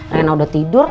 rena udah tidur